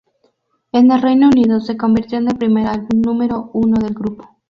En el Reino Unido se convirtió en el primer álbum número uno del grupo.